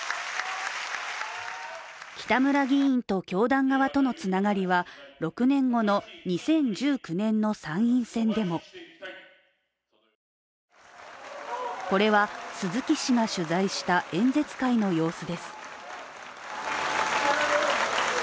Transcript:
北村議員と教団側との繋がりは６年後の２０１９年の参院選でもこれは鈴木氏が取材した演説会の様子です。